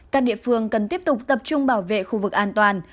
các địa phương cần tiếp tục tập trung bảo vệ khu vực an toàn